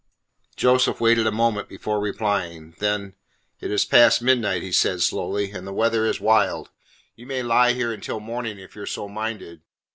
Joseph waited a moment before replying. Then: "It is past midnight," he said slowly, "and the weather is wild. You may lie here until morning, if you are so minded.